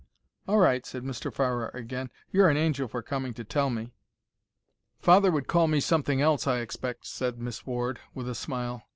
"All right," said Mr. Farrer again. "You're an angel for coming to tell me." "Father would call me something else, I expect," said Miss Ward, with a smile.